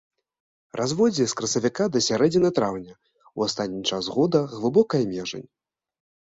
Разводдзе з красавіка да сярэдзіны траўня, у астатні час года глыбокая межань.